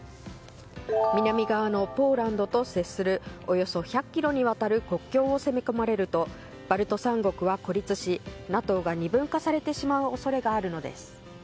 南側のポーランドと接するおよそ１００ｋｍにわたる国境を攻め込まれるとバルト三国は孤立しＮＡＴＯが二分化されてしまう恐れがあるのです。